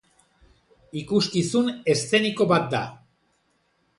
Ikuskizun eszeniko bat da.